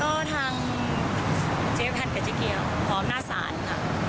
ก็ทางเจ๊พันธ์กับเจ๊เกียวพร้อมหน้าศาลค่ะ